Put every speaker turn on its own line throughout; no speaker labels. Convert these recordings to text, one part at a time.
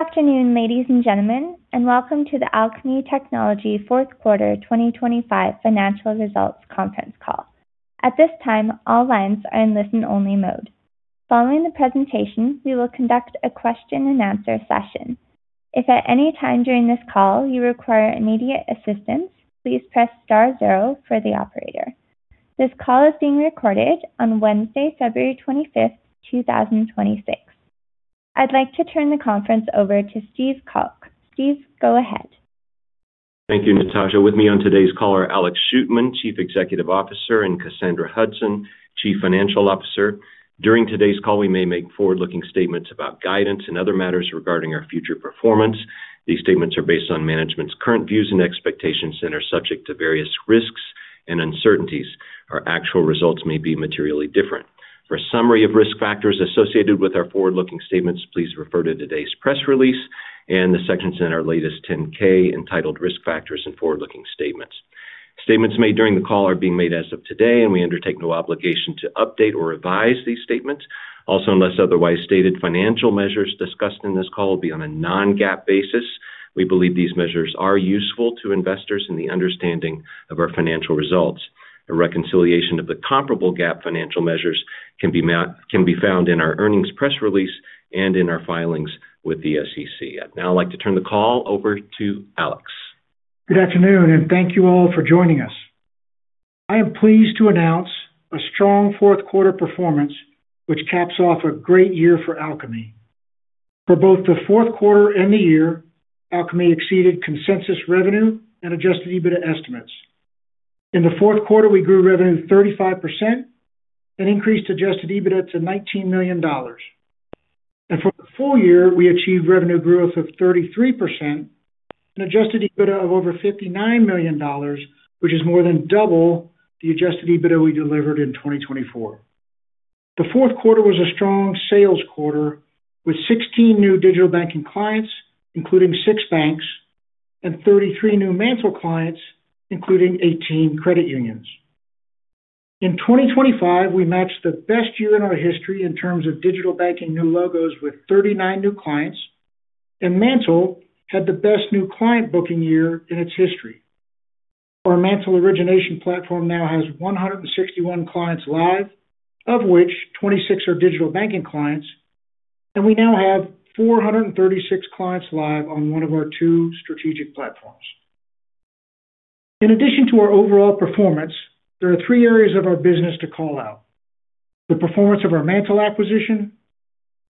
Good afternoon, ladies and gentlemen, and welcome to the Alkami Technology Fourth Quarter 2025 financial results conference call. At this time, all lines are in listen-only mode. Following the presentation, we will conduct a question-and-answer session. If at any time during this call you require immediate assistance, please press star zero for the operator. This call is being recorded on Wednesday, February 25th, 2026. I'd like to turn the conference over to Steve Calk. Steve, go ahead.
Thank you, Natasha. With me on today's call are Alex Shootman, Chief Executive Officer, and Cassandra Hudson, Chief Financial Officer. During today's call, we may make forward-looking statements about guidance and other matters regarding our future performance. These statements are based on management's current views and expectations and are subject to various risks and uncertainties. Our actual results may be materially different. For a summary of risk factors associated with our forward-looking statements, please refer to today's press release and the sections in our latest 10-K entitled Risk Factors and Forward-Looking Statements. Statements made during the call are being made as of today, and we undertake no obligation to update or revise these statements. Also, unless otherwise stated, financial measures discussed in this call will be on a non-GAAP basis. We believe these measures are useful to investors in the understanding of our financial results. A reconciliation of the comparable GAAP financial measures can be found in our earnings press release and in our filings with the SEC. I'd now like to turn the call over to Alex.
Good afternoon, and thank you all for joining us. I am pleased to announce a strong fourth quarter performance, which caps off a great year for Alkami. For both the fourth quarter and the year, Alkami exceeded consensus revenue and Adjusted EBITDA estimates. In the fourth quarter, we grew revenue 35% and increased Adjusted EBITDA to $19 million. For the full year, we achieved revenue growth of 33% and Adjusted EBITDA of over $59 million, which is more than double the Adjusted EBITDA we delivered in 2024. The fourth quarter was a strong sales quarter, with 16 new digital banking clients, including six banks, and 33 new MANTL clients, including 18 credit unions. In 2025, we matched the best year in our history in terms of digital banking new logos with 39 new clients. MANTL had the best new client booking year in its history. Our MANTL origination platform now has 161 clients live, of which 26 are digital banking clients. We now have 436 clients live on one of our two strategic platforms. In addition to our overall performance, there are three areas of our business to call out: the performance of our MANTL acquisition,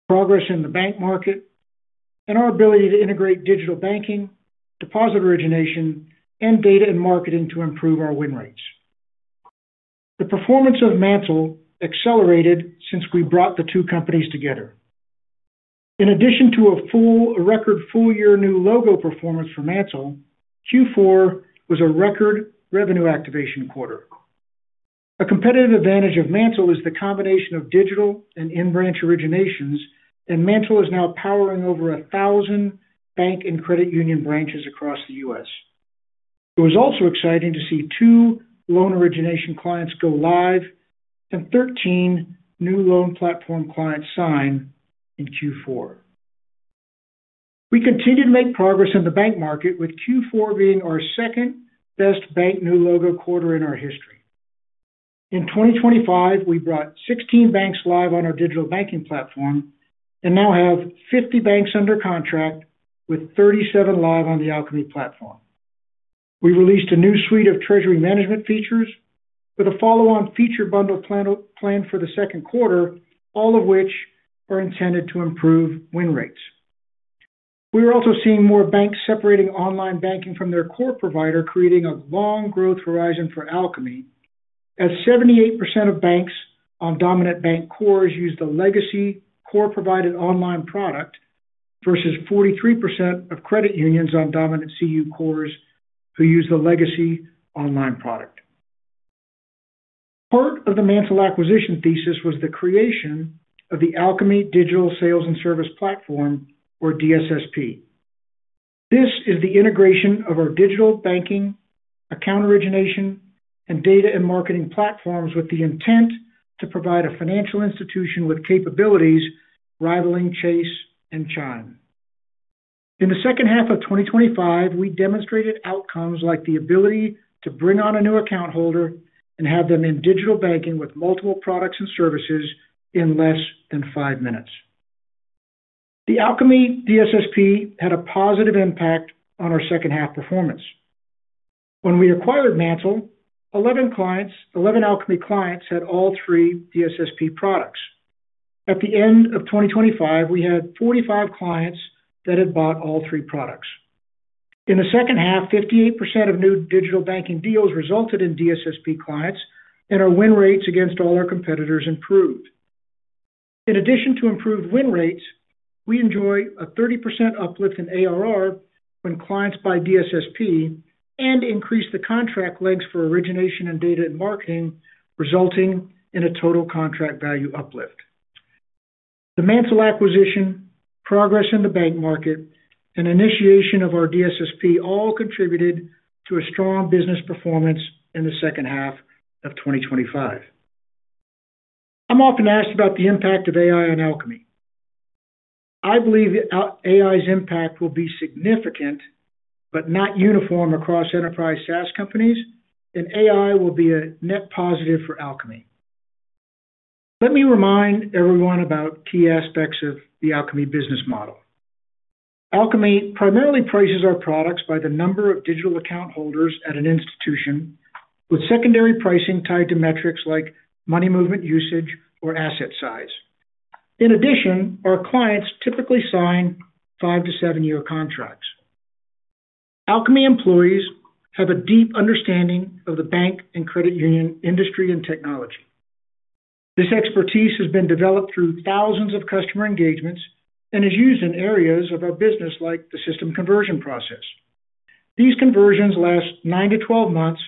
progress in the bank market, and our ability to integrate digital banking, deposit origination, and data and marketing to improve our win rates. The performance of MANTL accelerated since we brought the two companies together. In addition to a record full-year new logo performance for MANTL, Q4 was a record revenue activation quarter. A competitive advantage of MANTL is the combination of digital and in-branch originations. MANTL is now powering over 1,000 bank and credit union branches across the U.S. It was also exciting to see two loan origination clients go live and 13 new loan platform clients sign in Q4. We continued to make progress in the bank market, with Q4 being our second-best bank new logo quarter in our history. In 2025, we brought 16 banks live on our digital banking platform and now have 50 banks under contract, with 37 live on the Alkami platform. We released a new suite of treasury management features with a follow-on feature bundle plan, planned for the second quarter, all of which are intended to improve win rates. We are also seeing more banks separating online banking from their core provider, creating a long growth horizon for Alkami, as 78% of banks on dominant bank cores use the legacy core-provided online product versus 43% of credit unions on dominant CU cores who use the legacy online product. Part of the MANTL acquisition thesis was the creation of the Alkami Digital Sales & Service Platform, or DSSP. This is the integration of our digital banking, account origination, and data and marketing platforms, with the intent to provide a financial institution with capabilities rivaling Chase and Chime. In the second half of 2025, we demonstrated outcomes like the ability to bring on a new account holder and have them in digital banking with multiple products and services in less than five minutes. The Alkami DSSP had a positive impact on our second half performance. When we acquired MANTL, 11 Alkami clients had all three DSSP products. At the end of 2025, we had 45 clients that had bought all three products. In the second half, 58% of new digital banking deals resulted in DSSP clients, and our win rates against all our competitors improved. In addition to improved win rates, we enjoy a 30% uplift in ARR when clients buy DSSP and increase the contract lengths for origination and data and marketing, resulting in a total contract value uplift. The MANTL acquisition, progress in the bank market, and initiation of our DSSP all contributed to a strong business performance in the second half of 2025. I'm often asked about the impact of AI on Alkami. I believe AI's impact will be significant, but not uniform across enterprise SaaS companies, and AI will be a net positive for Alkami. Let me remind everyone about key aspects of the Alkami business model. Alkami primarily prices our products by the number of digital account holders at an institution, with secondary pricing tied to metrics like money movement usage or asset size. In addition, our clients typically sign five to seven year contracts. Alkami employees have a deep understanding of the bank and credit union industry and technology. This expertise has been developed through thousands of customer engagements and is used in areas of our business like the system conversion process. These conversions last nine to 12-months,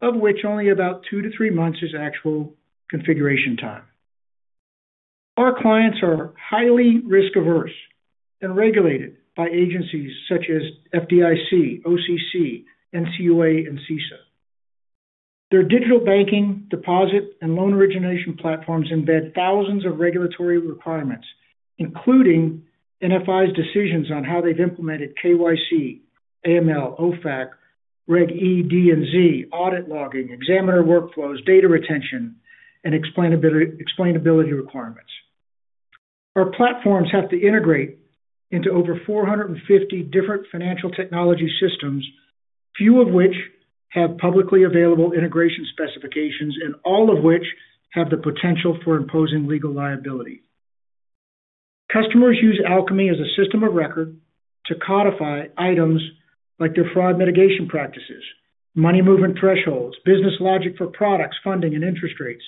of which only about two to three months is actual configuration time. Our clients are highly risk-averse and regulated by agencies such as FDIC, OCC, NCUA, and CISA. Their digital banking, deposit, and loan origination platforms embed thousands of regulatory requirements, including NFI's decisions on how they've implemented KYC, AML, OFAC, Reg E, D, and Z, audit logging, examiner workflows, data retention, and explainability requirements. Our platforms have to integrate into over 450 different financial technology systems, few of which have publicly available integration specifications and all of which have the potential for imposing legal liability. Customers use Alkami as a system of record to codify items like their fraud mitigation practices, money movement thresholds, business logic for products, funding, and interest rates.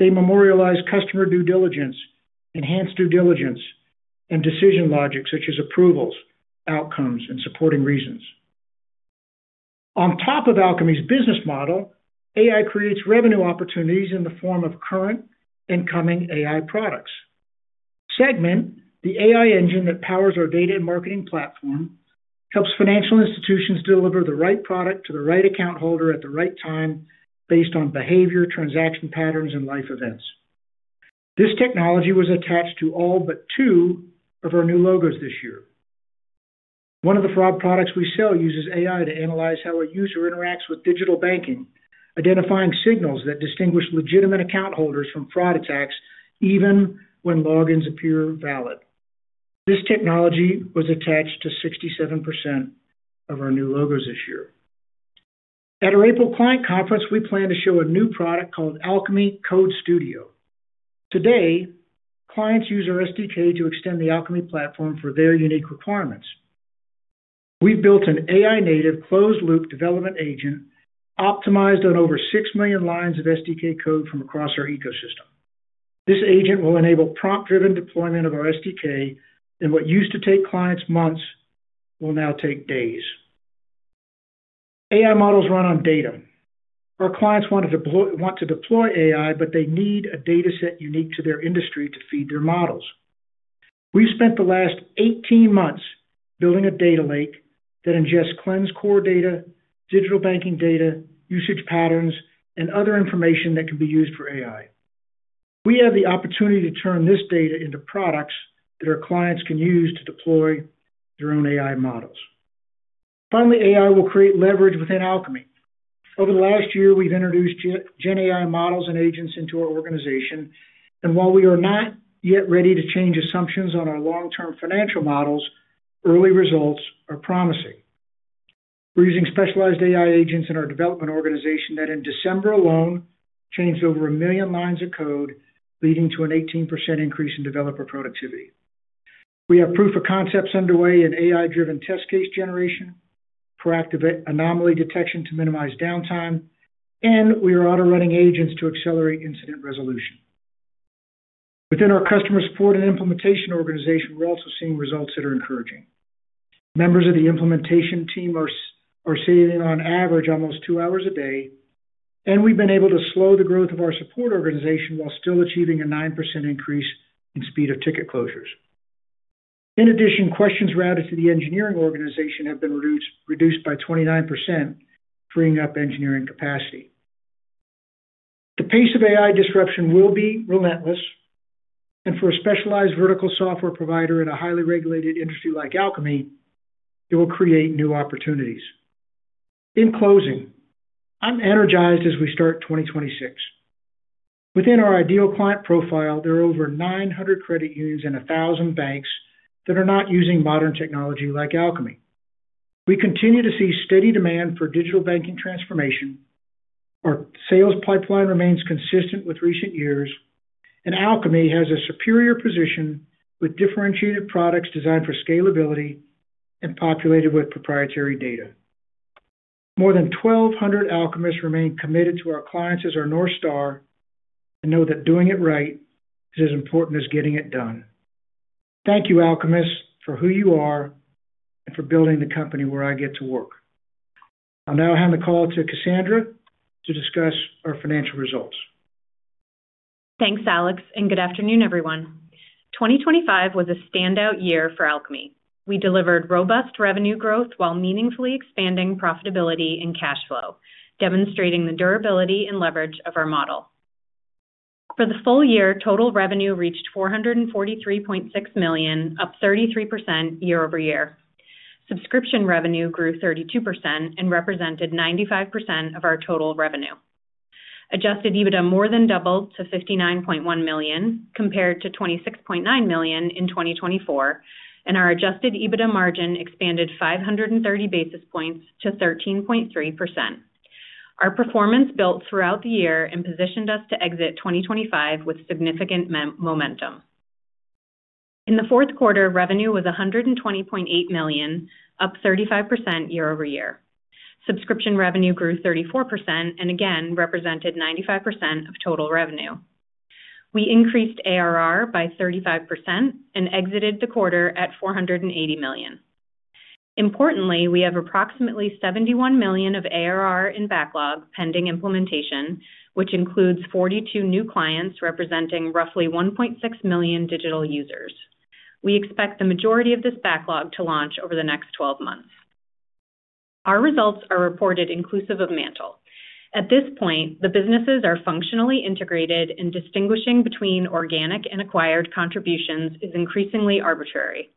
They memorialize customer due diligence, enhanced due diligence, and decision logic, such as approvals, outcomes, and supporting reasons. On top of Alkami's business model, AI creates revenue opportunities in the form of current and coming AI products. Segment, the AI engine that powers our data and marketing platform, helps financial institutions deliver the right product to the right account holder at the right time based on behavior, transaction patterns, and life events. This technology was attached to all but two of our new logos this year. One of the fraud products we sell uses AI to analyze how a user interacts with digital banking, identifying signals that distinguish legitimate account holders from fraud attacks, even when logins appear valid. This technology was attached to 67% of our new logos this year. At our April client conference, we plan to show a new product called Alkami Code Studio. Today, clients use our SDK to extend the Alkami platform for their unique requirements. We've built an AI-native, closed-loop development agent optimized on over 6 million lines of SDK code from across our ecosystem. This agent will enable prompt-driven deployment of our SDK, and what used to take clients months will now take days. AI models run on data. Our clients want to deploy AI, but they need a dataset unique to their industry to feed their models. We've spent the last 18 months building a data lake that ingests cleansed core data, digital banking data, usage patterns, and other information that can be used for AI. We have the opportunity to turn this data into products that our clients can use to deploy their own AI models. Finally, AI will create leverage within Alkami. Over the last year, we've introduced Gen AI models and agents into our organization, and while we are not yet ready to change assumptions on our long-term financial models, early results are promising. We're using specialized AI agents in our development organization that in December alone, changed over a million lines of code, leading to an 18% increase in developer productivity. We have proof of concepts underway in AI-driven test case generation, proactive anomaly detection to minimize downtime, and we are autorunning agents to accelerate incident resolution. Within our customer support and implementation organization, we're also seeing results that are encouraging. Members of the implementation team are saving on average almost two hours a day, and we've been able to slow the growth of our support organization while still achieving a 9% increase in speed of ticket closures. In addition, questions routed to the engineering organization have been reduced by 29%, freeing up engineering capacity. The pace of AI disruption will be relentless, and for a specialized vertical software provider in a highly regulated industry like Alkami, it will create new opportunities. In closing, I'm energized as we start 2026. Within our ideal client profile, there are over 900 credit unions and 1,000 banks that are not using modern technology like Alkami. We continue to see steady demand for digital banking transformation. Our sales pipeline remains consistent with recent years, and Alkami has a superior position with differentiated products designed for scalability and populated with proprietary data. More than 1,200 Alkamists remain committed to our clients as our North Star and know that doing it right is as important as getting it done. Thank you, Alkamists, for who you are and for building the company where I get to work. I'll now hand the call to Cassandra to discuss our financial results.
Thanks, Alex, good afternoon, everyone. 2025 was a standout year for Alkami. We delivered robust revenue growth while meaningfully expanding profitability and cash flow, demonstrating the durability and leverage of our model. For the full year, total revenue reached $443.6 million, up 33% year-over-year. Subscription revenue grew 32% and represented 95% of our total revenue. Adjusted EBITDA more than doubled to $59.1 million, compared to $26.9 million in 2024, and our Adjusted EBITDA margin expanded 530 basis points to 13.3%. Our performance built throughout the year and positioned us to exit 2025 with significant momentum. In the fourth quarter, revenue was $120.8 million, up 35% year-over-year. Subscription revenue grew 34% and again represented 95% of total revenue. We increased ARR by 35% and exited the quarter at $480 million. Importantly, we have approximately $71 million of ARR in backlog pending implementation, which includes 42 new clients, representing roughly 1.6 million digital users. We expect the majority of this backlog to launch over the next 12 months. Our results are reported inclusive of MANTL. At this point, the businesses are functionally integrated, and distinguishing between organic and acquired contributions is increasingly arbitrary.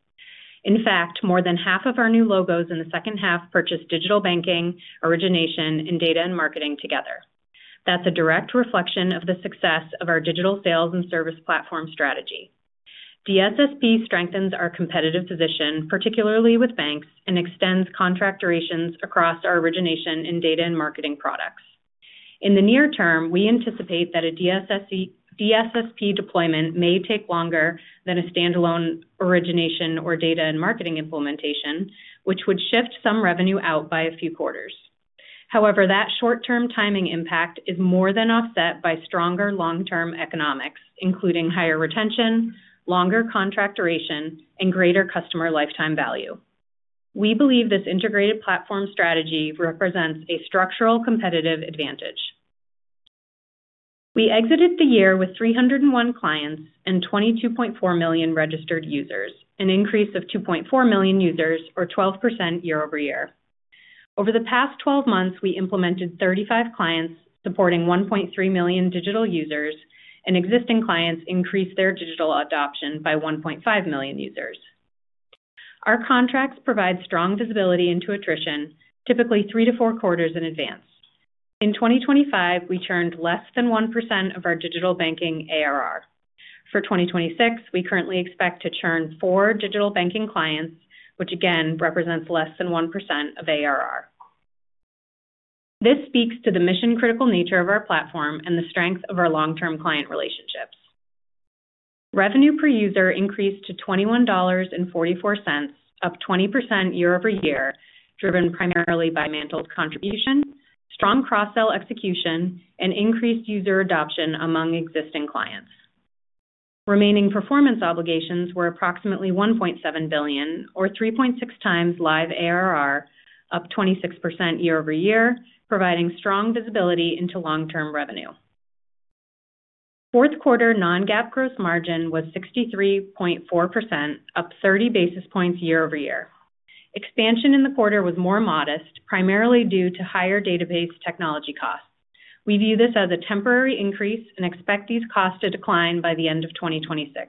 In fact, more than half of our new logos in the second half purchased digital banking, origination, and data and marketing together. That's a direct reflection of the success of our Digital Sales & Service Platform strategy. DSSP strengthens our competitive position, particularly with banks, and extends contract durations across our origination in data and marketing products. In the near term, we anticipate that a DSSP deployment may take longer than a standalone origination or data and marketing implementation, which would shift some revenue out by a few quarters. However, that short-term timing impact is more than offset by stronger long-term economics, including higher retention, longer contract duration, and greater customer lifetime value. We believe this integrated platform strategy represents a structural competitive advantage. We exited the year with 301 clients and 22.4 million registered users, an increase of 2.4 million users or 12% year-over-year. Over the past 12 months, we implemented 35 clients supporting 1.3 million digital users, and existing clients increased their digital adoption by 1.5 million users. Our contracts provide strong visibility into attrition, typically three to four quarters in advance. In 2025, we churned less than 1% of our digital banking ARR. For 2026, we currently expect to churn four digital banking clients, which again represents less than 1% of ARR. This speaks to the mission-critical nature of our platform and the strength of our long-term client relationships. Revenue per user increased to $21.44, up 20% year-over-year, driven primarily by MANTL's contribution, strong cross-sell execution, and increased user adoption among existing clients. Remaining performance obligations were approximately $1.7 billion, or 3.6x live ARR, up 26% year-over-year, providing strong visibility into long-term revenue. Fourth quarter non-GAAP gross margin was 63.4%, up 30 basis points year-over-year. Expansion in the quarter was more modest, primarily due to higher database technology costs. We view this as a temporary increase and expect these costs to decline by the end of 2026.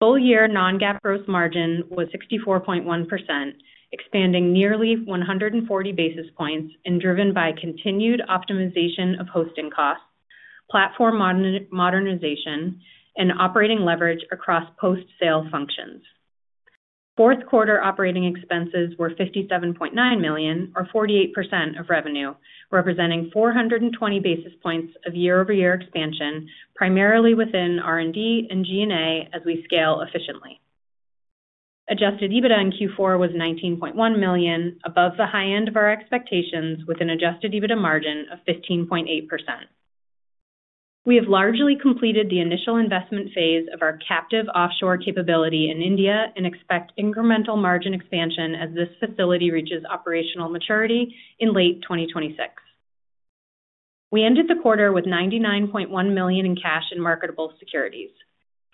Full-year non-GAAP gross margin was 64.1%, expanding nearly 140 basis points and driven by continued optimization of hosting costs, platform modernization, and operating leverage across post-sale functions. Fourth quarter operating expenses were $57.9 million, or 48% of revenue, representing 420 basis points of year-over-year expansion, primarily within R&D and G&A, as we scale efficiently. Adjusted EBITDA in Q4 was $19.1 million, above the high end of our expectations, with an Adjusted EBITDA margin of 15.8%. We have largely completed the initial investment phase of our captive offshore capability in India and expect incremental margin expansion as this facility reaches operational maturity in late 2026. We ended the quarter with $99.1 million in cash and marketable securities.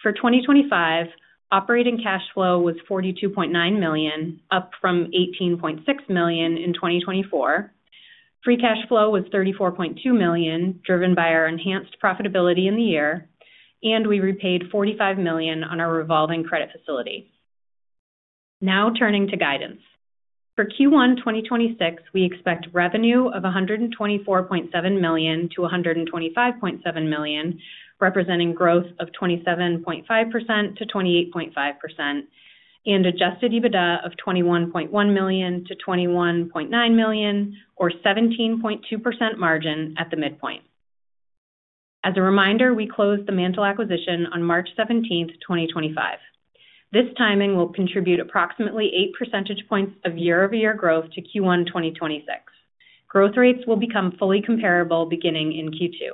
For 2025, operating cash flow was $42.9 million, up from $18.6 million in 2024. Free cash flow was $34.2 million, driven by our enhanced profitability in the year, and we repaid $45 million on our revolving credit facility. Now, turning to guidance. For Q1 2026, we expect revenue of $124.7 million-$125.7 million, representing growth of 27.5%-28.5% and Adjusted EBITDA of $21.1 million-$21.9 million, or 17.2% margin at the midpoint. As a reminder, we closed the MANTL acquisition on March 17th, 2025. This timing will contribute approximately eight percentage points of year-over-year growth to Q1 2026. Growth rates will become fully comparable beginning in Q2.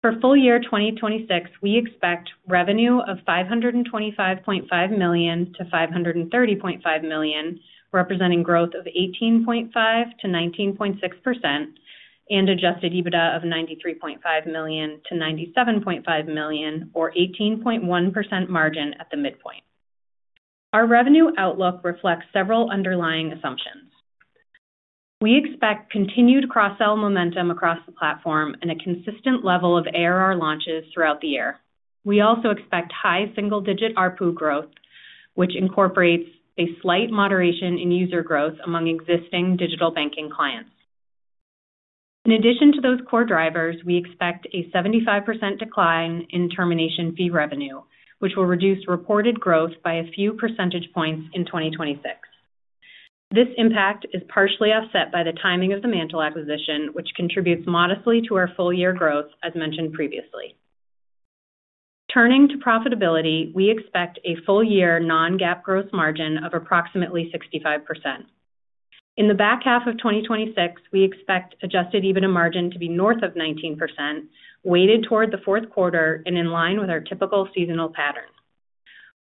For full year 2026, we expect revenue of $525.5 million-$530.5 million, representing growth of 18.5%-19.6% and Adjusted EBITDA of $93.5 million-$97.5 million, or 18.1% margin at the midpoint. Our revenue outlook reflects several underlying assumptions. We expect continued cross-sell momentum across the platform and a consistent level of ARR launches throughout the year. We also expect high single-digit ARPU growth, which incorporates a slight moderation in user growth among existing digital banking clients. In addition to those core drivers, we expect a 75% decline in termination fee revenue, which will reduce reported growth by a few percentage points in 2026. This impact is partially offset by the timing of the MANTL acquisition, which contributes modestly to our full year growth, as mentioned previously. Turning to profitability, we expect a full-year non-GAAP gross margin of approximately 65%. In the back half of 2026, we expect Adjusted EBITDA margin to be north of 19%, weighted toward the fourth quarter and in line with our typical seasonal patterns.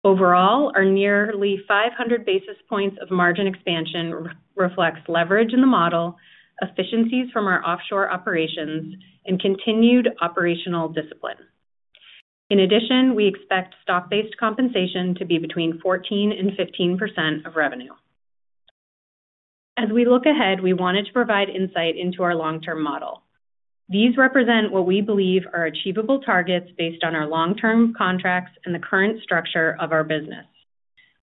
Overall, our nearly 500 basis points of margin expansion re-reflects leverage in the model, efficiencies from our offshore operations, and continued operational discipline. In addition, we expect stock-based compensation to be between 14% and 15% of revenue. As we look ahead, we wanted to provide insight into our long-term model. These represent what we believe are achievable targets based on our long-term contracts and the current structure of our business.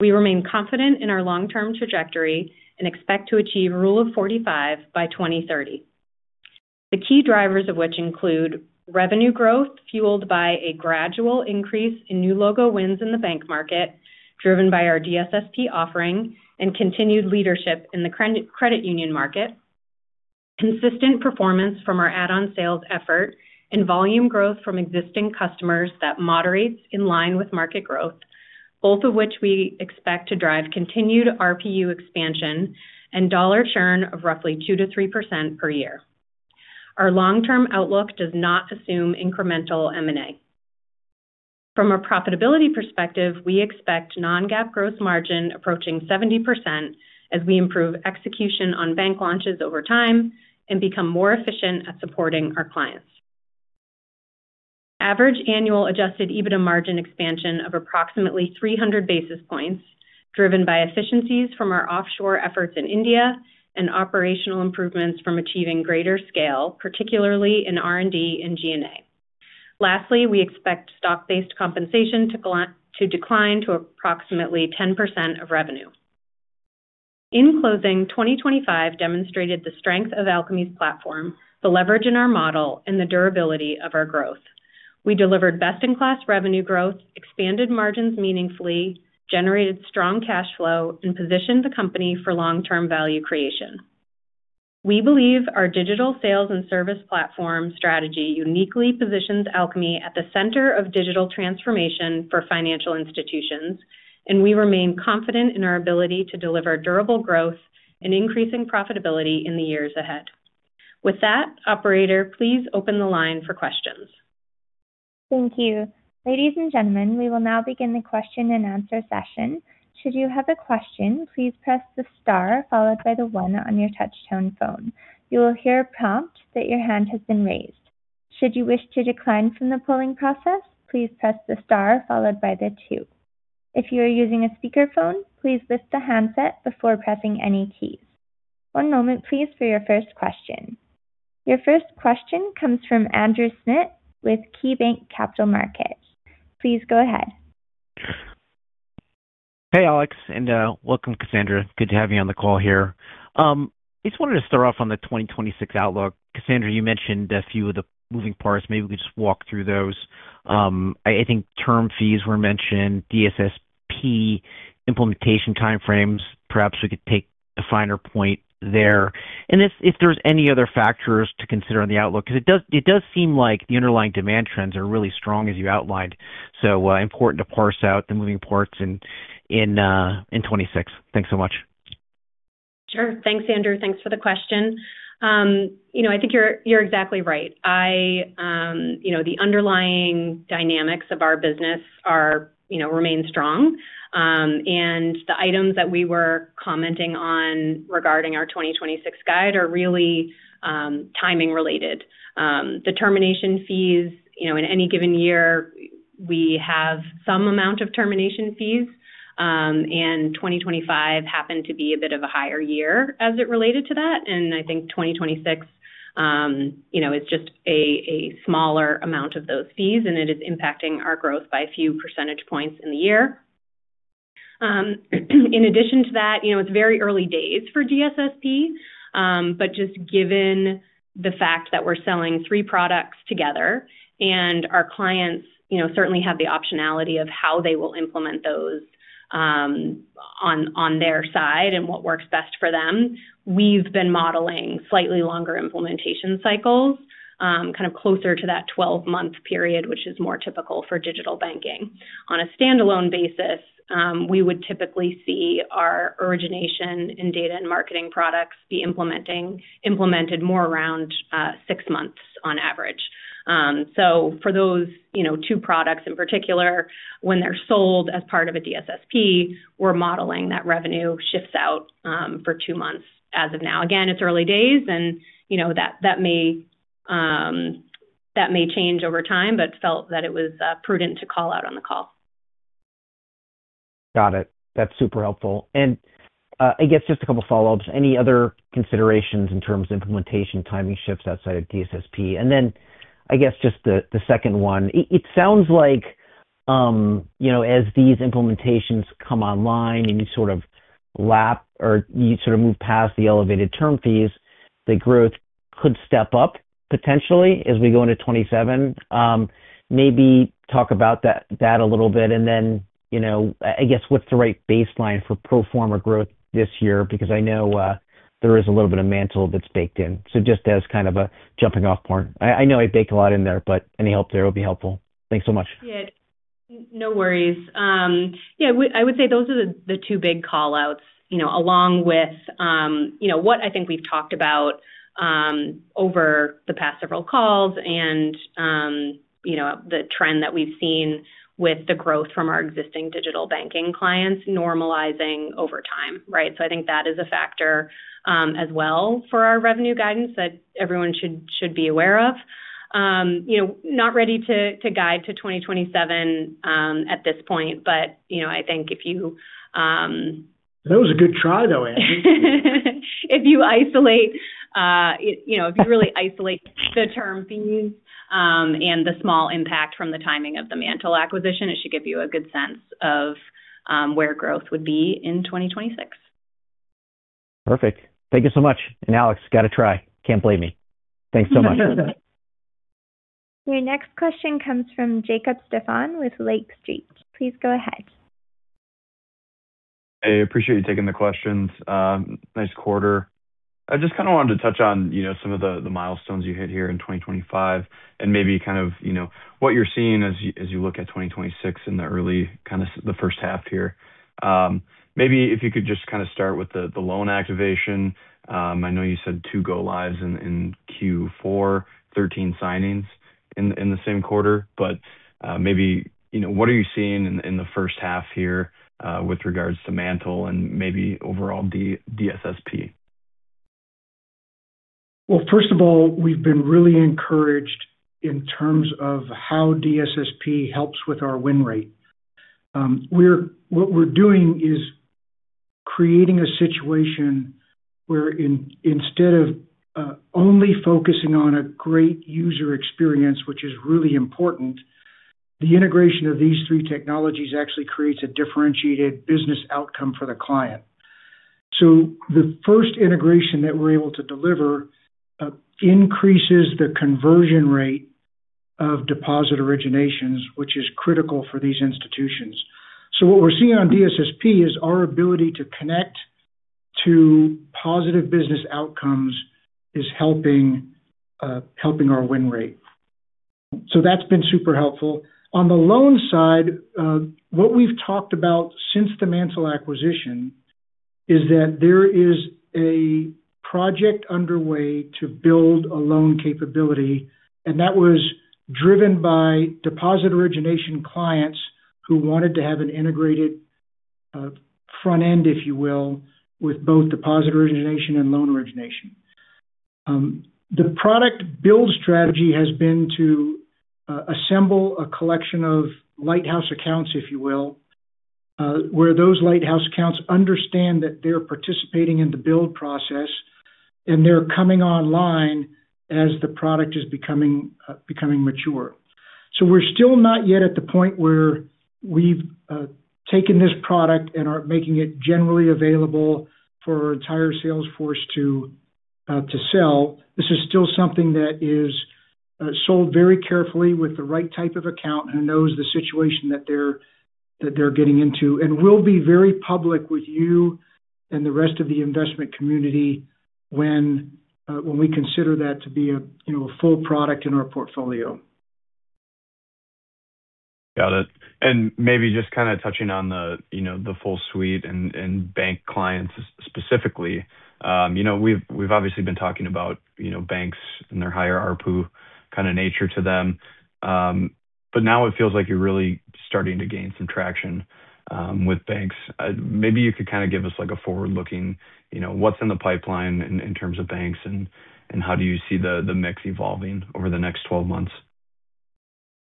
We remain confident in our long-term trajectory and expect to achieve Rule of 45 by 2030. The key drivers of which include revenue growth, fueled by a gradual increase in new logo wins in the bank market, driven by our DSSP offering, and continued leadership in the credit union market. Consistent performance from our add-on sales effort and volume growth from existing customers that moderates in line with market growth, both of which we expect to drive continued RPU expansion and dollar churn of roughly 2%-3% per year. Our long-term outlook does not assume incremental M&A. From a profitability perspective, we expect non-GAAP gross margin approaching 70% as we improve execution on bank launches over time and become more efficient at supporting our clients. Average annual Adjusted EBITDA margin expansion of approximately 300 basis points, driven by efficiencies from our offshore efforts in India and operational improvements from achieving greater scale, particularly in R&D and G&A. We expect stock-based compensation to decline to approximately 10% of revenue. In closing, 2025 demonstrated the strength of Alkami's platform, the leverage in our model, and the durability of our growth. We delivered best-in-class revenue growth, expanded margins meaningfully, generated strong cash flow, and positioned the company for long-term value creation. We believe our digital sales and service platform strategy uniquely positions Alkami at the center of digital transformation for financial institutions. We remain confident in our ability to deliver durable growth and increasing profitability in the years ahead. With that, operator, please open the line for questions.
Thank you. Ladies and gentlemen, we will now begin the question-and-answer session. Should you have a question, please press the star followed by one on your touch-tone phone. You will hear a prompt that your hand has been raised. Should you wish to decline from the polling process, please press the star followed by two. If you are using a speakerphone, please lift the handset before pressing any keys. One moment please, for your first question. Your first question comes from Andrew Schmidt with KeyBanc Capital Markets. Please go ahead.
Hey, Alex, and welcome, Cassandra. Good to have you on the call here. Just wanted to start off on the 2026 outlook. Cassandra, you mentioned a few of the moving parts. Maybe we could just walk through those. I think term fees were mentioned, DSSP implementation time frames. Perhaps we could take a finer point there. If there's any other factors to consider on the outlook, because it does seem like the underlying demand trends are really strong as you outlined. Important to parse out the moving parts in 2026. Thanks so much.
Sure. Thanks, Andrew. Thanks for the question. you know, I think you really right. you know, the underlying dynamics of our business are, you know, remain strong. The items that we were commenting on regarding our 2026 guide are really timing related. The termination fees, you know, in any given year, we have some amount of termination fees. 2025 happened to be a bit of a higher year as it related to that. I think 2026, you know, is just a smaller amount of those fees, and it is impacting our growth by a few percentage points in the year. In addition to that, you know, it's very early days for DSSP, but just given the fact that we're selling three products together and our clients, you know, certainly have the optionality of how they will implement those on their side and what works best for them, we've been modeling slightly longer implementation cycles, kind of closer to that 12-month period, which is more typical for digital banking. On a standalone basis, we would typically see our origination and data and marketing products be implemented more around six months on average. For those, you know, two products in particular, when they're sold as part of a DSSP, we're modeling that revenue shifts out for two months as of now. Again, it's early days and, you know, that may. that may change over time, but felt that it was prudent to call out on the call.
Got it. That's super helpful. I guess just a couple of follow-ups. Any other considerations in terms of implementation, timing shifts outside of DSSP? I guess just the second one. It sounds like, you know, as these implementations come online and you sort of move past the elevated term fees, the growth could step up potentially as we go into 2027. Maybe talk about that a little bit, and then, you know, I guess, what's the right baseline for pro forma growth this year? I know there is a little bit of MANTL that's baked in. Just as kind of a jumping-off point. I know I baked a lot in there, but any help there will be helpful. Thanks so much.
Yeah. No worries. I would say those are the two big call-outs, you know, along with, you know, what I think we've talked about over the past several calls and, you know, the trend that we've seen with the growth from our existing digital banking clients normalizing over time, right? I think that is a factor as well for our revenue guidance that everyone should be aware of. You know, not ready to guide to 2027 at this point, but, you know, I think if you,
That was a good try, though, Angie.
If you isolate, you know, if you really isolate the term fees, and the small impact from the timing of the MANTL acquisition, it should give you a good sense of where growth would be in 2026.
Perfect. Alex, got to try. Can't blame me. Thanks so much.
Your next question comes from Jacob Stephan with Lake Street. Please go ahead.
I appreciate you taking the questions. Nice quarter. I just kind of wanted to touch on, you know, some of the milestones you hit here in 2025, and maybe kind of, you know, what you're seeing as you look at 2026 in the early kind of the first half here. Maybe if you could just kind of start with the loan activation. I know you said two go lives in Q4, 13 signings in the same quarter, but maybe, you know, what are you seeing in the first half here with regards to MANTL and maybe overall DSSP?
First of all, we've been really encouraged in terms of how DSSP helps with our win rate. What we're doing is creating a situation where instead of only focusing on a great user experience, which is really important, the integration of these three technologies actually creates a differentiated business outcome for the client. The first integration that we're able to deliver increases the conversion rate of deposit originations, which is critical for these institutions. What we're seeing on DSSP is our ability to connect to positive business outcomes is helping helping our win rate. That's been super helpful. On the loan side, what we've talked about since the MANTL acquisition is that there is a project underway to build a loan capability. That was driven by deposit origination clients who wanted to have an integrated front end, if you will, with both deposit origination and loan origination. The product build strategy has been to assemble a collection of lighthouse accounts, if you will, where those lighthouse accounts understand that they're participating in the build process, and they're coming online as the product is becoming mature. We're still not yet at the point where we've taken this product and are making it generally available for our entire sales force to sell. This is still something that is sold very carefully with the right type of account who knows the situation that they're getting into. We'll be very public with you and the rest of the investment community when we consider that to be a, you know, a full product in our portfolio.
Got it. Maybe just kind of touching on the, you know, the full suite and bank clients specifically. You know, we've obviously been talking about, you know, banks and their higher ARPU kind of nature to them. Now it feels like you're really starting to gain some traction with banks. Maybe you could kind of give us, like, a forward-looking, you know, what's in the pipeline in terms of banks and how do you see the mix evolving over the next 12 months?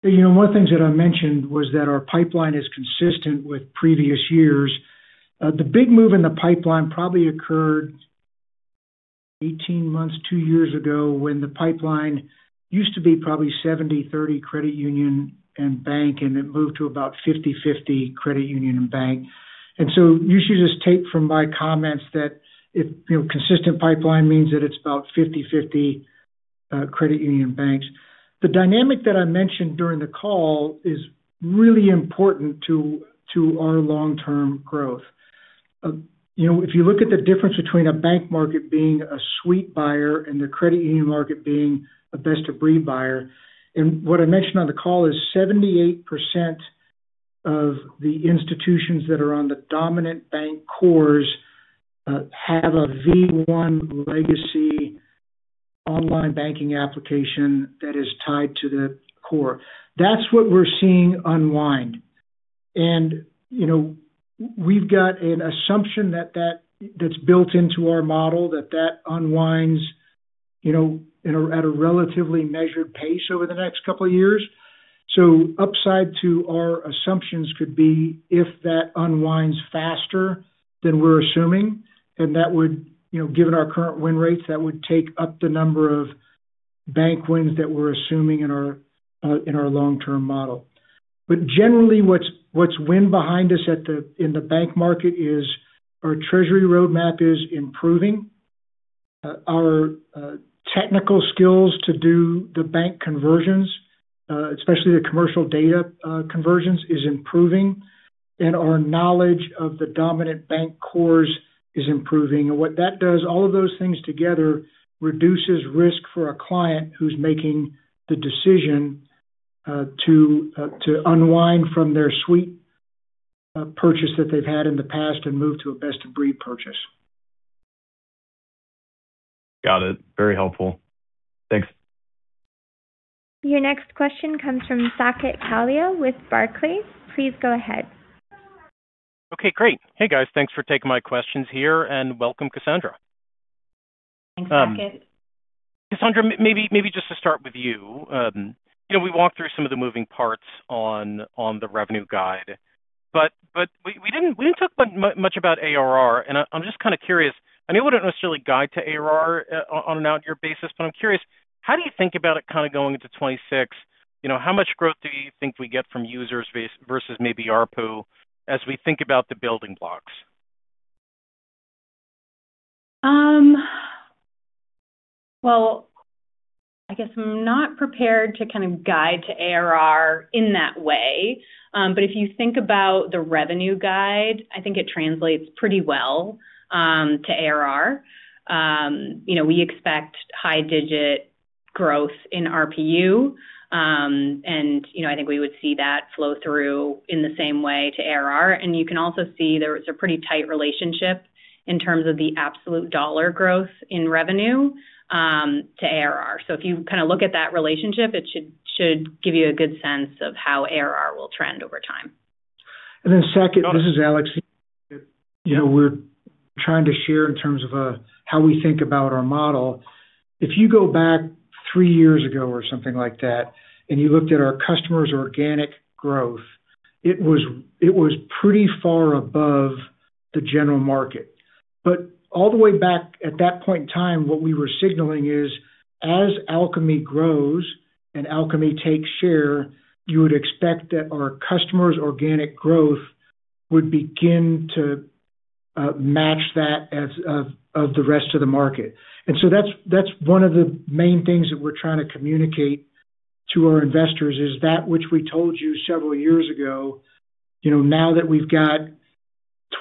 You know, one of the things that I mentioned was that our pipeline is consistent with previous years. The big move in the pipeline probably occurred 18 months, two years ago, when the pipeline used to be probably 70/30 credit union and bank, and it moved to about 50/50 credit union and bank. You should just take from my comments that if, you know, consistent pipeline means that it's about 50/50, credit union banks. The dynamic that I mentioned during the call is really important to our long-term growth. You know, if you look at the difference between a bank market being a suite buyer and the credit union market being a best-of-breed buyer, what I mentioned on the call is 78% of the institutions that are on the dominant bank cores have a V1 legacy online banking application that is tied to the core. That's what we're seeing unwind. You know, we've got an assumption that's built into our model, that that unwinds, you know, in a, at a relatively measured pace over the next couple of years. Upside to our assumptions could be if that unwinds faster than we're assuming, that would, you know, given our current win rates, that would take up the number of bank wins that we're assuming in our, in our long-term model. Generally, what's wind behind us in the bank market is our treasury roadmap is improving. Our technical skills to do the bank conversions, especially the commercial data conversions, is improving, and our knowledge of the dominant bank cores is improving. What that does, all of those things together, reduces risk for a client who's making the decision to unwind from their suite purchase that they've had in the past and move to a best-of-breed purchase.
Got it. Very helpful. Thanks.
Your next question comes from Saket Kalia with Barclays. Please go ahead.
Okay, great. Hey, guys, thanks for taking my questions here, and welcome, Cassandra.
Thanks, Saket.
Cassandra, maybe just to start with you. You know, we walked through some of the moving parts on the revenue guide, but we didn't talk much about ARR, and I'm just kind of curious. I know you wouldn't necessarily guide to ARR on an out year basis, but I'm curious, how do you think about it kind of going into 2026? You know, how much growth do you think we get from users versus maybe ARPU as we think about the building blocks?
Well, I guess I'm not prepared to kind of guide to ARR in that way. If you think about the revenue guide, I think it translates pretty well to ARR. You know, we expect high-digit growth in RPU. You know, I think we would see that flow through in the same way to ARR. You can also see there is a pretty tight relationship in terms of the absolute dollar growth in revenue to ARR. If you kind of look at that relationship, it should give you a good sense of how ARR will trend over time.
Saket, this is Alex. You know, we're trying to share in terms of how we think about our model. If you go back three years ago or something like that, and you looked at our customers' organic growth, it was pretty far above the general market. But all the way back at that point in time, what we were signaling is, as Alkami grows and Alkami takes share, you would expect that our customers' organic growth would begin to match that as of the rest of the market. That's one of the main things that we're trying to communicate to our investors, is that which we told you several years ago, you know, now that we've got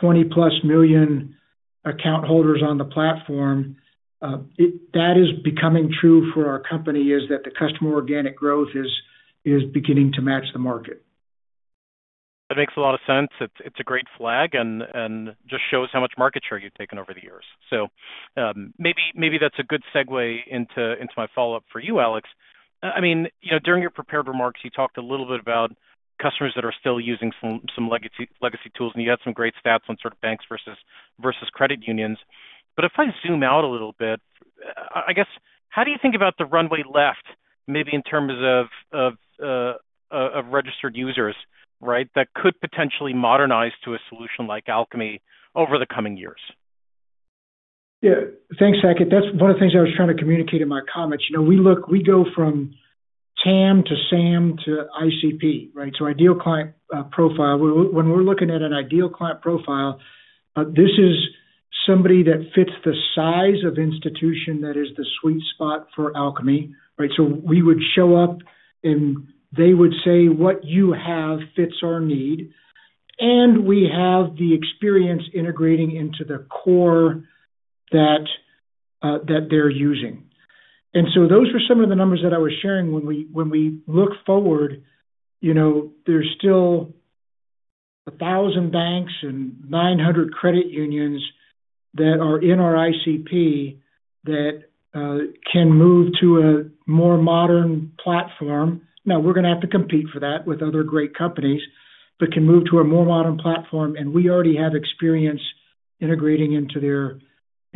20+ million account holders on the platform, that is becoming true for our company, is that the customer organic growth is beginning to match the market.
That makes a lot of sense. It's a great flag and just shows how much market share you've taken over the years. Maybe that's a good segue into my follow-up for you, Alex. I mean, you know, during your prepared remarks, you talked a little bit about customers that are still using some legacy tools, and you had some great stats on sort of banks versus credit unions. If I zoom out a little bit, I guess, how do you think about the runway left, maybe in terms of registered users, right? That could potentially modernize to a solution like Alkami over the coming years.
Yeah. Thanks, Saket. That's one of the things I was trying to communicate in my comments. You know, we go from TAM to SAM to ICP, right? ideal client profile. When we're looking at an ideal client profile, this is somebody that fits the size of institution that is the sweet spot for Alkami, right? We would show up, and they would say: "What you have fits our need," and we have the experience integrating into the core that they're using. Those were some of the numbers that I was sharing. When we look forward, you know, there's still 1,000 banks and 900 credit unions that are in our ICP that can move to a more modern platform. We're going to have to compete for that with other great companies, but can move to a more modern platform. We already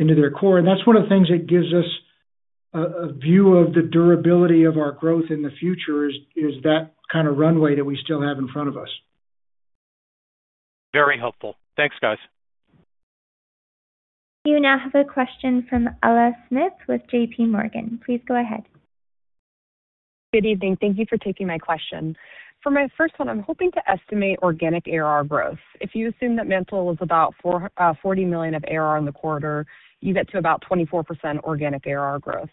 have experience integrating into their core. That's one of the things that gives us a view of the durability of our growth in the future, is that kind of runway that we still have in front of us.
Very helpful. Thanks, guys.
You now have a question from Eleisha Smith with JPMorgan. Please go ahead.
Good evening. Thank you for taking my question. For my first one, I'm hoping to estimate organic ARR growth. If you assume that MANTL was about $40 million of ARR in the quarter, you get to about 24% organic ARR growth.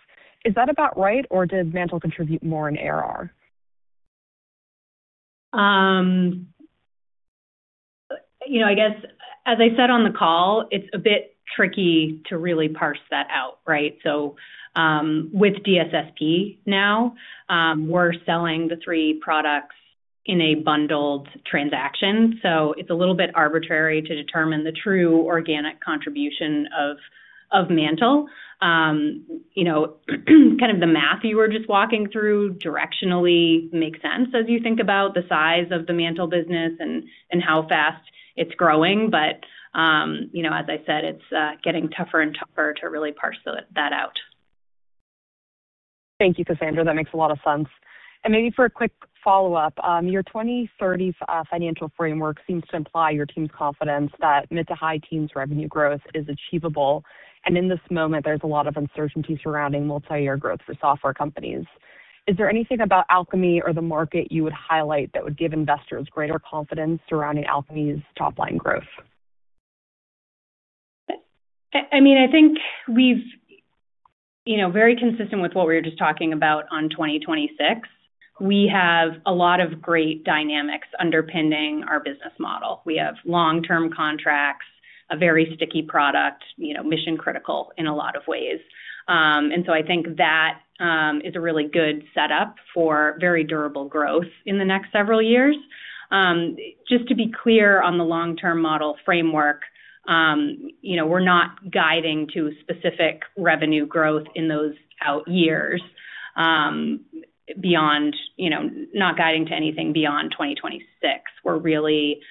Is that about right, or did MANTL contribute more in ARR?
You know, I guess, as I said on the call, it's a bit tricky to really parse that out, right? With DSSP now, we're selling the 3 products in a bundled transaction, so it's a little bit arbitrary to determine the true organic contribution of MANTL. You know, kind of the math you were just walking through directionally makes sense as you think about the size of the MANTL business and how fast it's growing. As I said, it's getting tougher and tougher to really parse that out.
Thank you, Cassandra. That makes a lot of sense. Maybe for a quick follow-up, your 2030 financial framework seems to imply your team's confidence that mid-to-high teens revenue growth is achievable. In this moment, there's a lot of uncertainty surrounding multi-year growth for software companies. Is there anything about Alkami or the market you would highlight that would give investors greater confidence surrounding Alkami's top line growth?
I mean, I think we've, you know, very consistent with what we were just talking about on 2026, we have a lot of great dynamics underpinning our business model. We have long-term contracts, a very sticky product, you know, mission-critical in a lot of ways. I think that is a really good setup for very durable growth in the next several years. Just to be clear on the long-term model framework, you know, we're not guiding to specific revenue growth in those out years, beyond, you know, not guiding to anything beyond 2026. We're really, you know,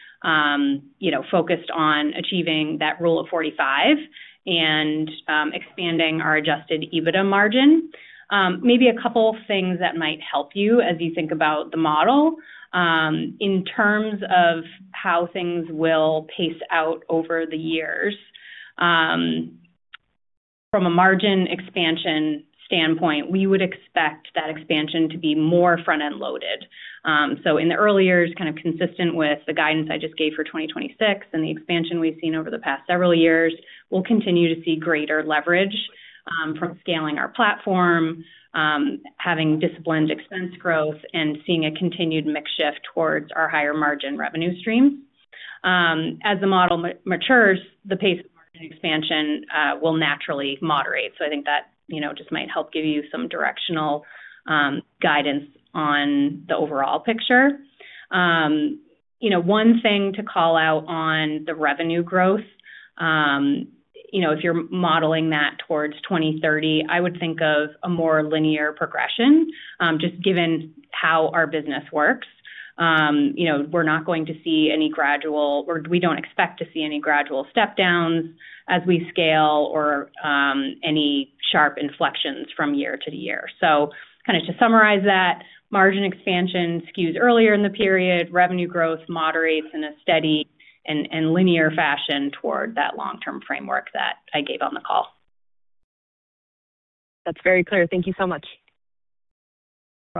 focused on achieving that Rule of Forty-Five and expanding our Adjusted EBITDA margin. Maybe a couple of things that might help you as you think about the model. In terms of how things will pace out over the years, from a margin expansion standpoint, we would expect that expansion to be more front-end loaded. In the early years, kind of consistent with the guidance I just gave for 2026 and the expansion we've seen over the past several years, we'll continue to see greater leverage from scaling our platform, having disciplined expense growth and seeing a continued mix shift towards our higher margin revenue stream. As the model matures, the pace of margin expansion will naturally moderate. I think that, you know, just might help give you some directional guidance on the overall picture. You know, one thing to call out on the revenue growth, you know, if you're modeling that towards 2030, I would think of a more linear progression, just given how our business works. You know, we're not going to see any or we don't expect to see any gradual step downs as we scale or any sharp inflections from year to year. Kind of to summarize that, margin expansion skews earlier in the period, revenue growth moderates in a steady and linear fashion toward that long-term framework that I gave on the call.
That's very clear. Thank you so much.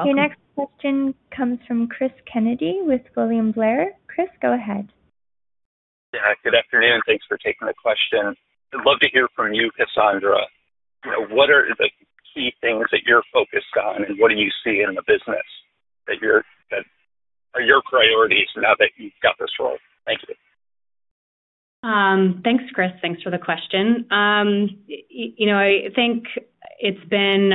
You're welcome.
Your next question comes from Chris Kennedy with William Blair. Chris, go ahead.
Yeah, good afternoon. Thanks for taking the question. I'd love to hear from you, Cassandra. You know, what are the key things that you're focused on, and what do you see in the business that are your priorities now that you've got this role? Thank you.
Thanks, Chris. Thanks for the question. You know, I think it's been,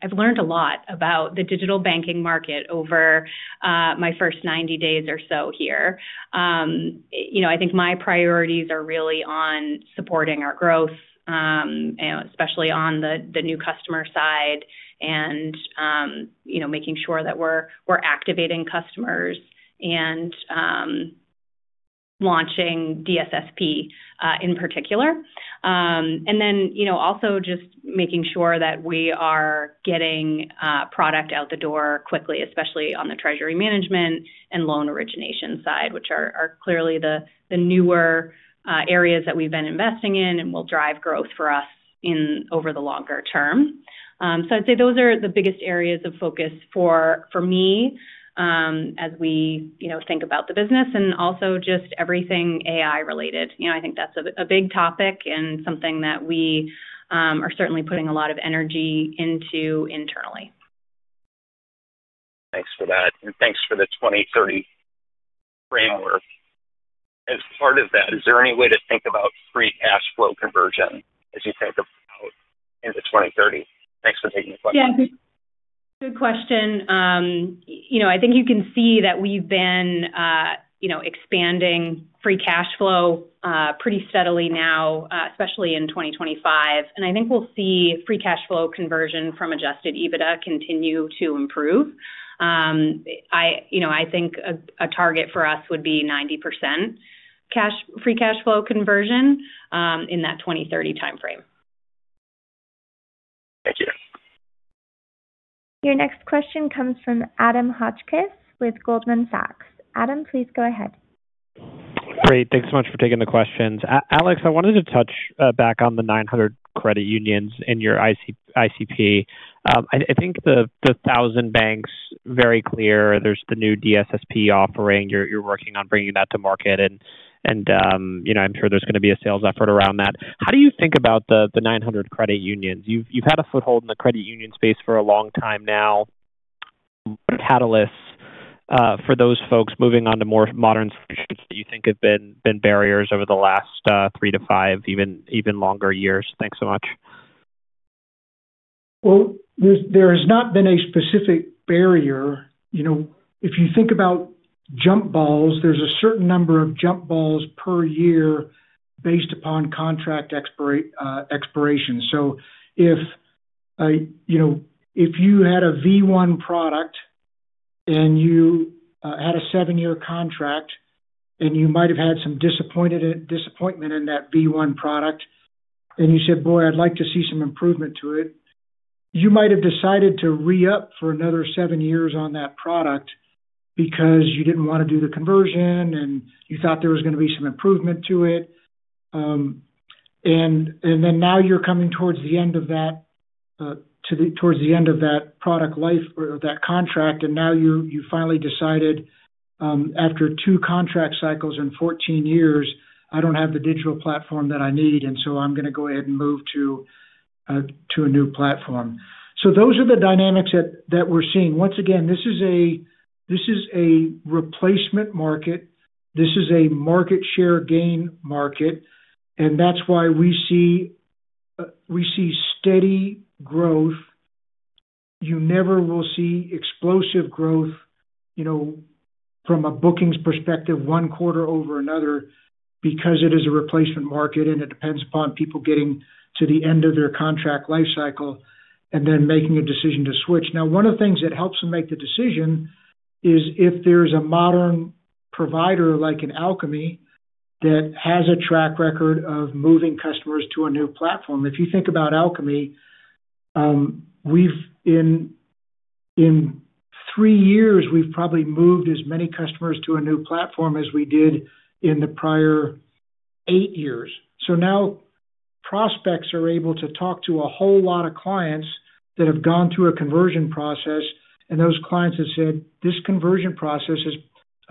I've learned a lot about the digital banking market over my first 90 days or so here. You know, I think my priorities are really on supporting our growth, you know, especially on the new customer side and, you know, making sure that we're activating customers and launching DSSP in particular. You know, also just making sure that we are getting product out the door quickly, especially on the treasury management and loan origination side, which are clearly the newer areas that we've been investing in and will drive growth for us in over the longer term. I'd say those are the biggest areas of focus for me, as we, you know, think about the business and also just everything AI-related. You know, I think that's a big topic and something that we are certainly putting a lot of energy into internally.
Thanks for that. Thanks for the 2030 framework. As part of that, is there any way to think about free cash flow conversion as you think about into 2030? Thanks for taking the question.
Yeah. Good question. you know, I think you can see that we've been, you know, expanding free cash flow, pretty steadily now, especially in 2025. I think we'll see free cash flow conversion from Adjusted EBITDA continue to improve. I, you know, I think a target for us would be 90% free cash flow conversion, in that 2030 timeframe.
Thank you.
Your next question comes from Adam Hotchkiss with Goldman Sachs. Adam, please go ahead.
Great. Thanks so much for taking the questions. Alex, I wanted to touch back on the 900 credit unions in your ICP. I think the 1,000 banks, very clear. There's the new DSSP offering. You're working on bringing that to market and, you know, I'm sure there's going to be a sales effort around that. How do you think about the 900 credit unions? You've had a foothold in the credit union space for a long time now. Catalysts for those folks moving on to more modern solutions that you think have been barriers over the last three to five, even longer years? Thanks so much.
Well, there has not been a specific barrier. You know, if you think about jump balls, there's a certain number of jump balls per year based upon contract expiration. If, you know, if you had a V1 product and you had a seven year contract, and you might have had some disappointment in that V1 product, and you said, "Boy, I'd like to see some improvement to it," you might have decided to re-up for another seven years on that product because you didn't want to do the conversion, and you thought there was going to be some improvement to it. Now you're coming towards the end of that, towards the end of that product life or that contract, and now you finally decided, after two contract cycles in 14 years, I don't have the digital platform that I need, and so I'm going to go ahead and move to a new platform. Those are the dynamics that we're seeing. Once again, this is a replacement market. This is a market share gain market. That's why we see steady growth. You never will see explosive growth, you know, from a bookings perspective, one quarter over another, because it is a replacement market, and it depends upon people getting to the end of their contract life cycle and then making a decision to switch. One of the things that helps them make the decision is if there's a modern provider, like an Alkami, that has a track record of moving customers to a new platform. If you think about Alkami, we've in three years, we've probably moved as many customers to a new platform as we did in the prior eight years. Prospects are able to talk to a whole lot of clients that have gone through a conversion process, and those clients have said, "This conversion process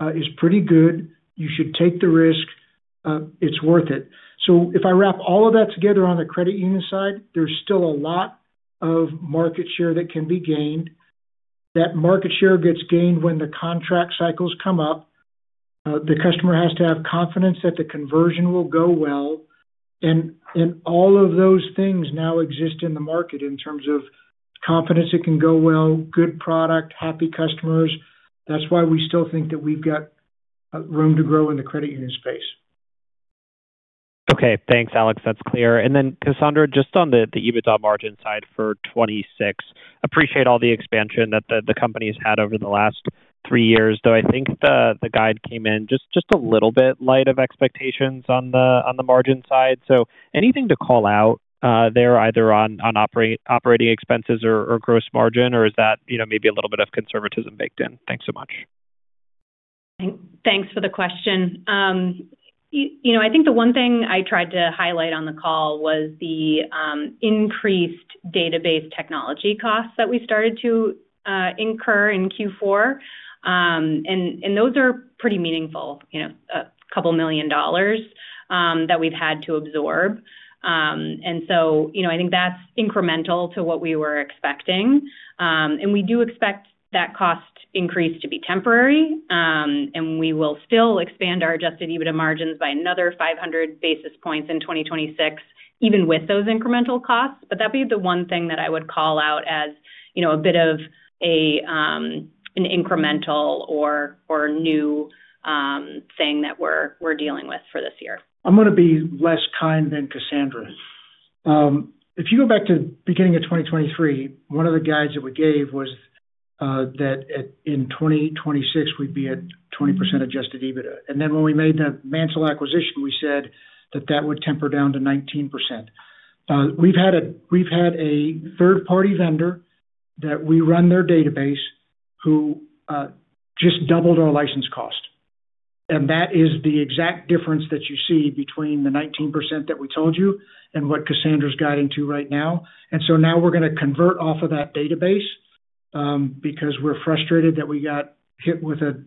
is pretty good. You should take the risk, it's worth it." If I wrap all of that together on the credit union side, there's still a lot of market share that can be gained. That market share gets gained when the contract cycles come up. The customer has to have confidence that the conversion will go well. All of those things now exist in the market in terms of confidence, it can go well, good product, happy customers. That's why we still think that we've got room to grow in the credit union space.
Okay, thanks, Alex. That's clear. Cassandra, just on the EBITDA margin side for 26. Appreciate all the expansion that the company's had over the last three years, though I think the guide came in just a little bit light of expectations on the margin side. Anything to call out there, either on operating expenses or gross margin, or is that, you know, maybe a little bit of conservatism baked in? Thanks so much.
Thanks for the question. You know, I think the one thing I tried to highlight on the call was the increased database technology costs that we started to incur in Q4. Those are pretty meaningful, you know, $2 million that we've had to absorb. You know, I think that's incremental to what we were expecting. We do expect that cost increase to be temporary, and we will still expand our Adjusted EBITDA margins by another 500 basis points in 2026, even with those incremental costs. That'd be the one thing that I would call out as, you know, a bit of an incremental or new thing that we're dealing with for this year.
I'm going to be less kind than Cassandra. If you go back to beginning of 2023, one of the guides that we gave was that in 2026, we'd be at 20% Adjusted EBITDA. When we made the MANTL acquisition, we said that that would temper down to 19%. We've had a third-party vendor that we run their database who just doubled our license cost. That is the exact difference that you see between the 19% that we told you and what Cassandra's guiding to right now. Now we're going to convert off of that database because we're frustrated that we got hit with a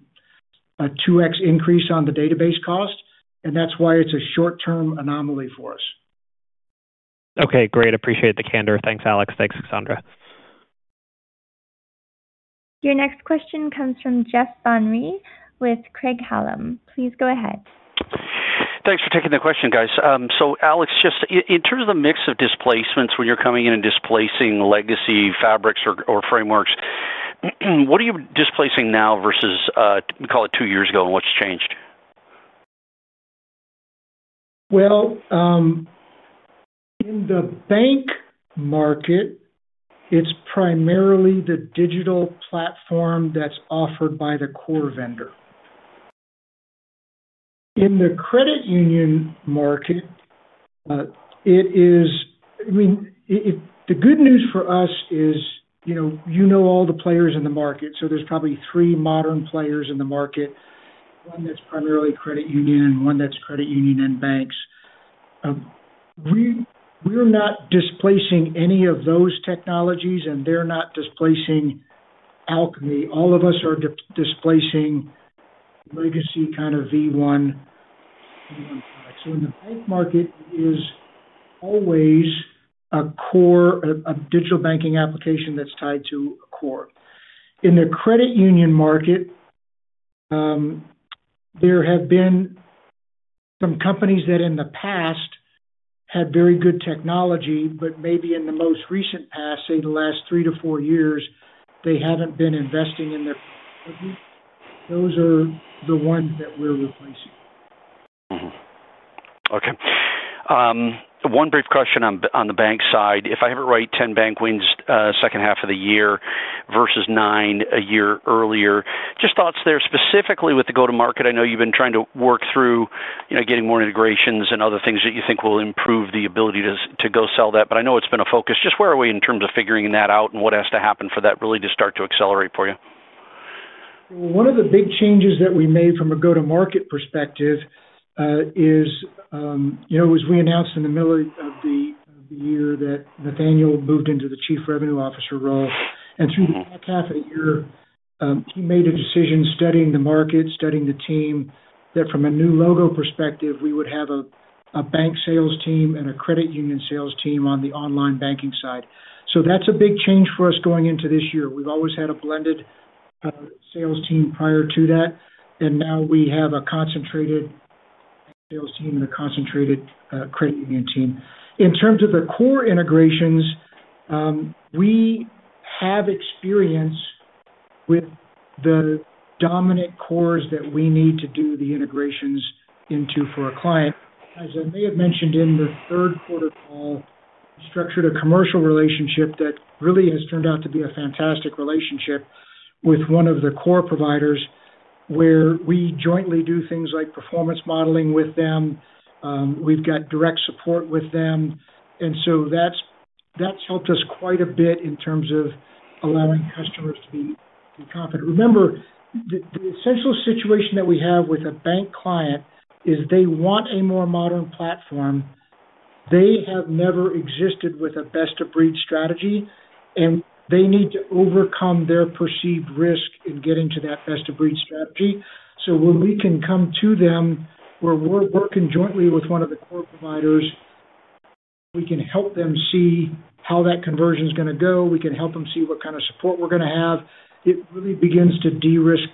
2x increase on the database cost, and that's why it's a short-term anomaly for us.
Okay, great. Appreciate the candor. Thanks, Alex. Thanks, Cassandra.
Your next question comes from Jeff Van Rhee with Craig-Hallum. Please go ahead.
Thanks for taking the question, guys. Alex, just in terms of the mix of displacements, when you're coming in and displacing legacy fabrics or frameworks, what are you displacing now versus, call it two years ago, and what's changed?
In the bank market, it's primarily the digital platform that's offered by the core vendor. In the credit union market, I mean, the good news for us is, you know, you know all the players in the market, so there's probably three modern players in the market. One that's primarily credit union and one that's credit union and banks. We're not displacing any of those technologies, and they're not displacing Alkami. All of us are displacing legacy, kind of V1 products. In the bank market, it is always a core, a digital banking application that's tied to a core. In the credit union market, there have been... some companies that in the past had very good technology, but maybe in the most recent past, say, the last three to four years, they haven't been investing in their technology. Those are the ones that we're replacing.
Okay. one brief question on the bank side. If I have it right, 10 bank wins, second half of the year versus nine a year earlier. Just thoughts there, specifically with the go-to-market. I know you've been trying to work through, you know, getting more integrations and other things that you think will improve the ability to go sell that, but I know it's been a focus. Just where are we in terms of figuring that out and what has to happen for that really to start to accelerate for you?
One of the big changes that we made from a go-to-market perspective, you know, as we announced in the middle of the year that Nathaniel moved into the Chief Revenue Officer role. Through the back half of the year, he made a decision, studying the market, studying the team, that from a new logo perspective, we would have a bank sales team and a credit union sales team on the online banking side. That's a big change for us going into this year. We've always had a blended sales team prior to that, and now we have a concentrated sales team and a concentrated credit union team. In terms of the core integrations, we have experience with the dominant cores that we need to do the integrations into for a client. As I may have mentioned in the third quarter call, we structured a commercial relationship that really has turned out to be a fantastic relationship with one of the core providers, where we jointly do things like performance modeling with them. We've got direct support with them, that's helped us quite a bit in terms of allowing customers to be confident. Remember, the essential situation that we have with a bank client is they want a more modern platform. They have never existed with a best-of-breed strategy, and they need to overcome their perceived risk in getting to that best-of-breed strategy. When we can come to them, where we're working jointly with one of the core providers, we can help them see how that conversion is going to go. We can help them see what kind of support we're going to have. It really begins to de-risk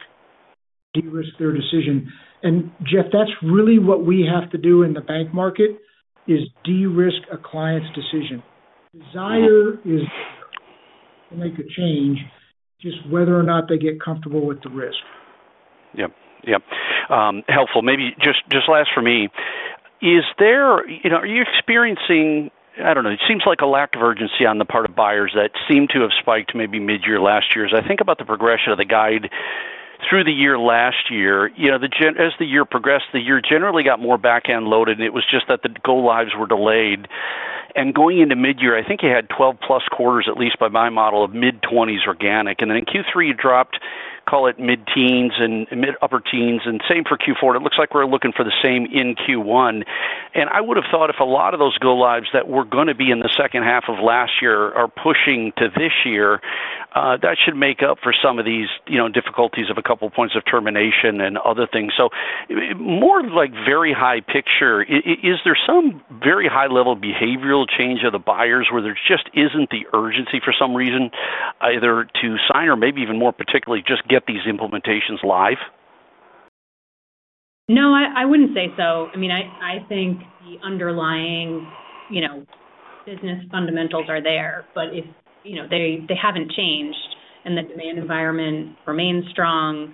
their decision. Jeff, that's really what we have to do in the bank market, is de-risk a client's decision. Desire is to make a change, just whether or not they get comfortable with the risk.
Yep. Yep. helpful. Maybe just last for me, is there? You know, are you experiencing, I don't know, it seems like a lack of urgency on the part of buyers that seem to have spiked maybe mid-year last year. As I think about the progression of the guide through the year last year, you know, as the year progressed, the year generally got more back-end loaded, and it was just that the go-lives were delayed. Going into mid-year, I think you had 12+ quarters, at least by my model, of mid-20s organic. In Q3, you dropped, call it mid-teens and mid-upper teens, and same for Q4. It looks like we're looking for the same in Q1. I would have thought if a lot of those go-lives that were going to be in the second half of last year are pushing to this year, that should make up for some of these, you know, difficulties of a couple points of termination and other things. More of, like, very high picture, is there some very high-level behavioral change of the buyers where there just isn't the urgency for some reason, either to sign or maybe even more particularly, just get these implementations live?
I wouldn't say so. I mean, I think the underlying, you know, business fundamentals are there. You know, they haven't changed. The demand environment remains strong.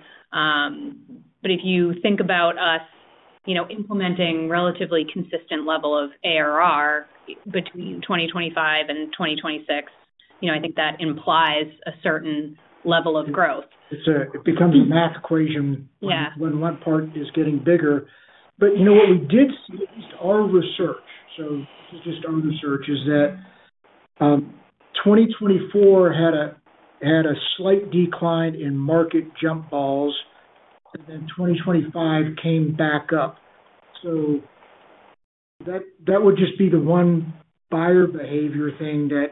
If you think about us, you know, implementing relatively consistent level of ARR between 2025 and 2026, you know, I think that implies a certain level of growth.
It becomes a math equation.
Yeah.
when one part is getting bigger. You know, what we did see, at least our research, so this is just our research, is that, 2024 had a slight decline in market jump balls, and then 2025 came back up. That, that would just be the one buyer behavior thing that,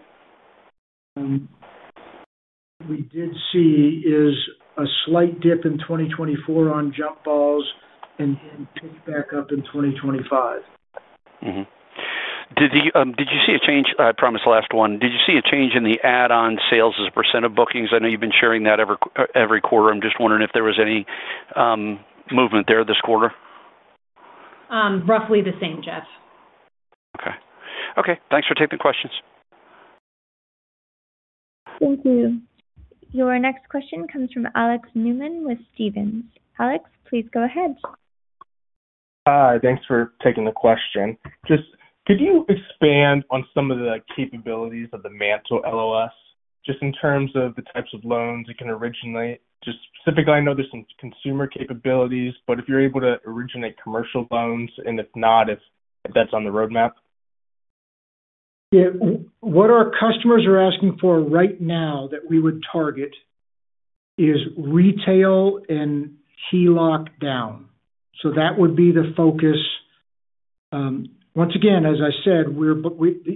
we did see is a slight dip in 2024 on jump balls and pick back up in 2025.
Did you see a change. I promise, last one. Did you see a change in the add-on sales as a percentage of bookings? I know you've been sharing that every quarter. I'm just wondering if there was any movement there this quarter.
Roughly the same, Jeff.
Okay. Okay, thanks for taking the questions.
Thank you. Your next question comes from Alex Neumann with Stephens. Alex, please go ahead.
Hi, thanks for taking the question. Just could you expand on some of the capabilities of the MANTL LOS, just in terms of the types of loans it can originate? Just specifically, I know there's some consumer capabilities, but if you're able to originate commercial loans, and if not, if that's on the roadmap?
Yeah. what our customers are asking for right now that we would target is retail and HELOC down. That would be the focus. once again, as I said, we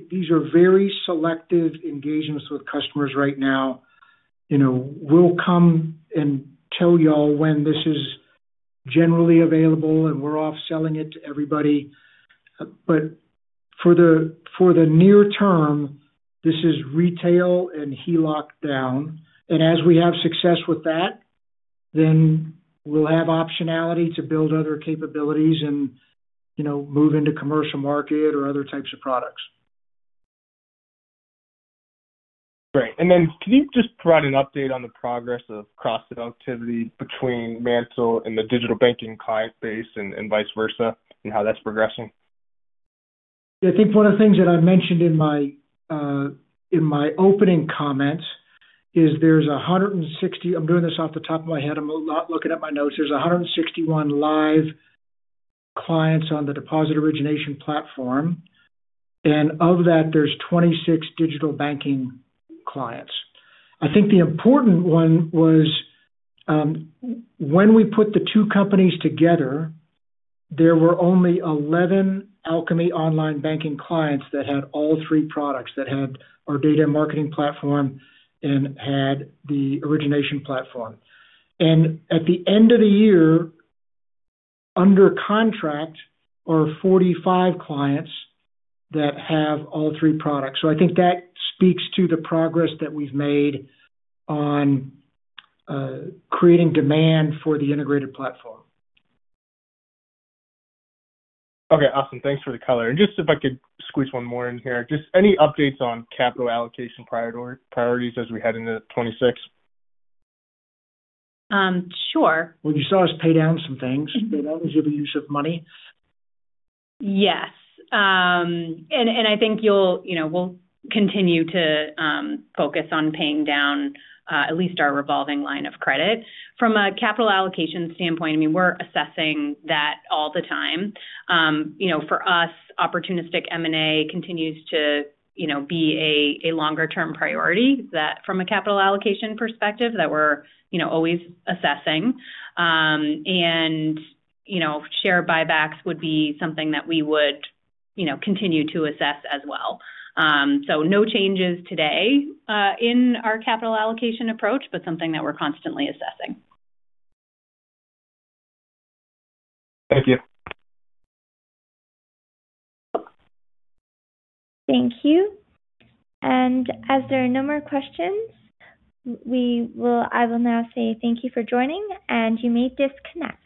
these are very selective engagements with customers right now. You know, we'll come and tell y'all when this is generally available, and we're off selling it to everybody. For the near term, this is retail and HELOC down. As we have success with that, then we'll have optionality to build other capabilities and, you know, move into commercial market or other types of products.
Great. Then can you just provide an update on the progress of cross-activity between MANTL and the digital banking client base and vice versa, and how that's progressing?
I think one of the things that I mentioned in my in my opening comments is there's 160. I'm doing this off the top of my head. I'm not looking at my notes. There's 161 live clients on the deposit origination platform, and of that, there's 2026 digital banking clients. I think the important one was, when we put the two companies together, there were only 11 Alkami online banking clients that had all three products, that had our data marketing platform and had the origination platform. At the end of the year, under contract are 45 clients that have all three products. I think that speaks to the progress that we've made on creating demand for the integrated platform.
Okay, awesome! Thanks for the color. Just if I could squeeze one more in here. Just any updates on capital allocation prior to priorities as we head into 2026?
sure.
Well, you saw us pay down some things. That was your use of money.
Yes. And I think you know, we'll continue to focus on paying down at least our revolving line of credit. From a capital allocation standpoint, I mean, we're assessing that all the time. You know, for us, opportunistic M&A continues to, you know, be a longer-term priority, that from a capital allocation perspective, that we're, you know, always assessing. You know, share buybacks would be something that we would, you know, continue to assess as well. No changes today in our capital allocation approach, but something that we're constantly assessing.
Thank you.
Thank you. As there are no more questions, I will now say thank you for joining, and you may disconnect.